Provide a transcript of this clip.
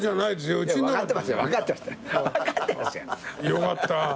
よかった。